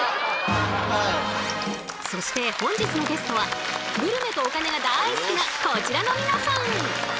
そして本日のゲストはグルメとお金が大好きなこちらの皆さん。